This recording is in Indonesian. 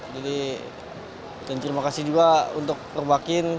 jadi terima kasih juga untuk perbakin